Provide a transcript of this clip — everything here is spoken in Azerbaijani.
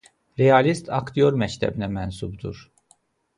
Realist aktyor məktəbinə mənsubdur.